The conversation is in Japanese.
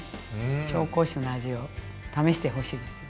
紹興酒の味を試してほしいですよね。